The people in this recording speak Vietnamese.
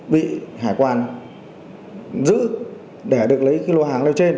bị hải quan giữ để được lấy cái lô hàng lên trên